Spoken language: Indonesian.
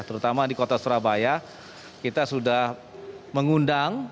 terutama di kota surabaya kita sudah mengundang